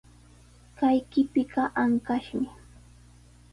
Kay qipiqa ankashmi.